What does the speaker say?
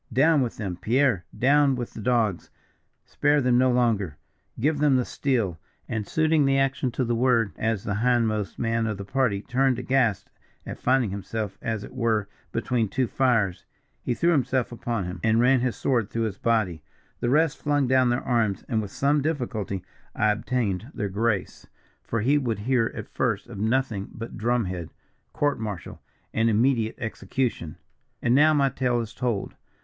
Down with them, Pierre; down with the dogs! Spare them no longer! Give them the steel,' and suiting the action to the word, as the hindmost man of the party, turned aghast at finding himself as it were between two fires, he threw himself upon him, and ran his sword through his body. The rest flung down their arms, and with some difficulty I obtained their grace, for he would hear at first of nothing but drum head, court martial, and immediate execution. "And now, my tale is told.